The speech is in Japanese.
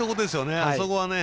あそこはね。